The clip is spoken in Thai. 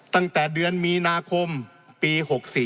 ตั้งแต่เดือนมีนาคมปี๖๔